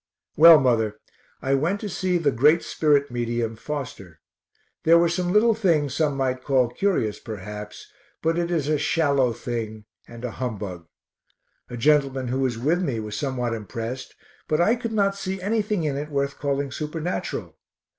Well, mother, I went to see the great spirit medium, Foster. There were some little things some might call curious, perhaps, but it is a shallow thing and a humbug. A gentleman who was with me was somewhat impressed, but I could not see anything in it worth calling supernatural.